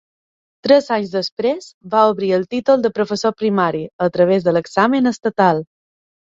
Tres anys després, va obtenir el títol de professor primari, a través de l'examen estatal.